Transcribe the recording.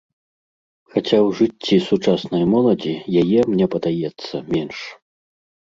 Хаця ў жыцці сучаснай моладзі яе, мне падаецца, менш.